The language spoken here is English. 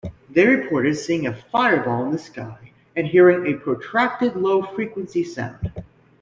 They reported seeing a fireball in the sky and hearing a protracted low-frequency sound.